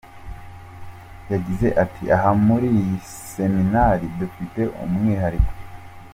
Yagize ati “Aha muri iyi Seminari dufite umwihariko.